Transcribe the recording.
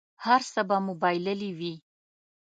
هر څه به مو بایللي وي.